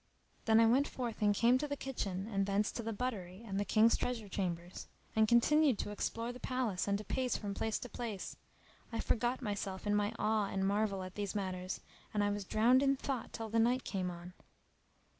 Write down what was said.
Then I went forth and came to the kitchen and thence to the buttery and the King's treasure chambers; and continued to explore the palace and to pace from place to place; I forgot myself in my awe and marvel at these matters and I was drowned in thought till the night came on.